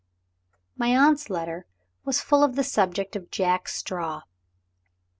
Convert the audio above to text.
My aunt's letter was full of the subject of Jack Straw.